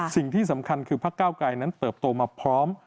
สิ่งที่สำคัญคือพักเก้าไกรนั้นเติบโตมาพร้อม